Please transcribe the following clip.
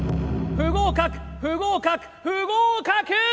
不合格不合格不合格！